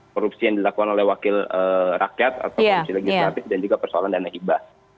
korupsi yang dilakukan oleh wakil rakyat atau korupsi legislatif dan juga persoalan dana hibah